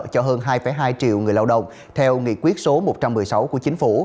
cho hơn hai hai triệu người lao động theo nghị quyết số một trăm một mươi sáu của chính phủ